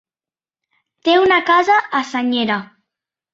Té una casa a Senyera.